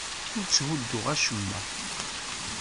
Ur tthudduɣ acemma.